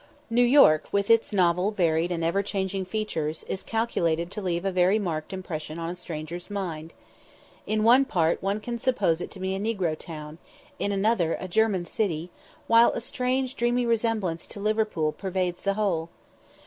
New York, with its novel, varied, and ever changing features, is calculated to leave a very marked impression on a stranger's mind. In one part one can suppose it to be a negro town; in another, a German city; while a strange dreamy resemblance to Liverpool pervades the whole.